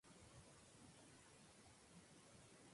Aprendió lectura musical con la profesora Sonia de Piña.